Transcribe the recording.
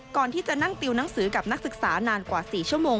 ก่อนที่จะนั่งติวหนังสือกับนักศึกษานานกว่า๔ชั่วโมง